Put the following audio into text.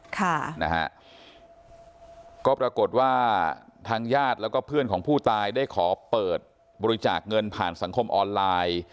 ค่ะนะฮะก็ปรากฏว่าทางญาติแล้วก็เพื่อนของผู้ตายได้ขอเปิดบริจาคเงินผ่านสังคมออนไลน์